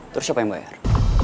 terus siapa yang bayar